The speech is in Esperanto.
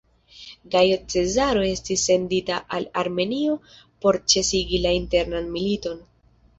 Gajo Cezaro estis sendita al Armenio por ĉesigi la internan militon.